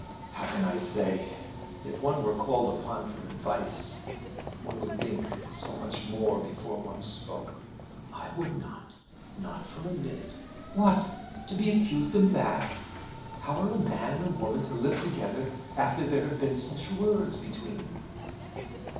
"How can I say? If one were called upon for advice, one would think so much before one spoke." "I would not, not for a minute. What! to be accused of that! How are a man and woman to live together after there have been such words between them?